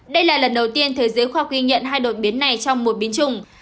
đây là lần đầu tiên thế giới khoa ghi nhận hai đột biến này trong một biến chủng